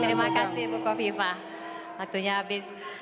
terima kasih bukoviva waktunya habis